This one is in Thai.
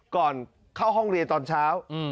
ก่อนเข้าห้องเรียนตอนเช้า